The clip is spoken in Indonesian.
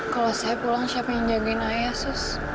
kalau saya pulang siapa yang jagain ayah sus